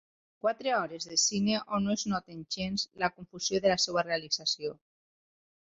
Quatre hores de cine on no es noten gens la confusió de la seva realització.